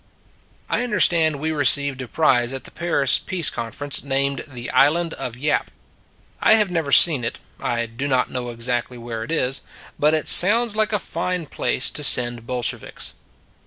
I understand we received a prize at the Paris peace conference named the Island of Yap. I have never seen it; I do not know exactly where it is. But it sounds like a fine place to send Bolsheviks.